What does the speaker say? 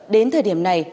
đến thời điểm này